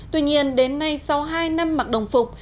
tuy nhiên đến nay sau hai năm mặc đồng phục